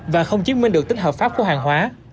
và không chứng minh được tính hợp pháp của hàng hóa